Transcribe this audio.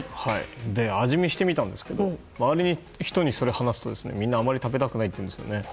味見してみたんですけど周りの人に話すとあまり食べたくないというんですね。